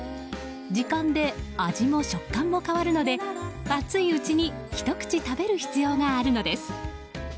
時間で味も食感も変わるので熱いうちにひと口食べる必要があるのです。